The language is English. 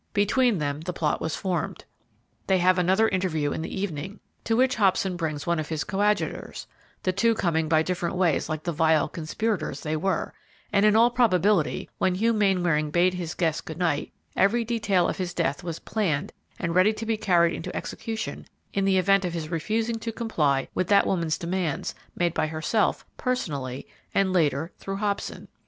Between them the plot was formed. They have another interview in the evening, to which Hobson brings one of his coadjutors, the two coming by different ways like the vile conspirators they were, and in all probability, when Hugh Mainwaring bade his guests good night, every detail of his death was planned and ready to be carried into execution in the event of his refusing to comply with that woman's demands made by herself, personally, and later, through Hobson.